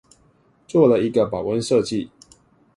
做了一個保溫設計